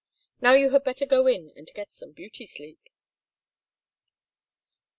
Now you had better go in and get some beauty sleep."